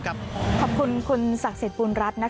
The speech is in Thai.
ขอบคุณคุณศักดิ์สิทธิบุญรัฐ